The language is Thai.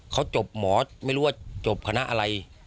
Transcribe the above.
เขาจบหมอไม่รู้ว่าจบคณะอะไร